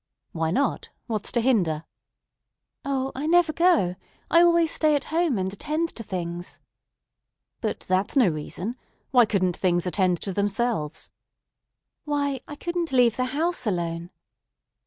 "Why not? What's to hinder?" "O, I never go. I always stay at home and attend to things." "But that's no reason. Why couldn't things attend to themselves?" "Why, I couldn't leave the house alone."